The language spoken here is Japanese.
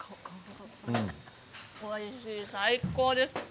おいしい、最高です。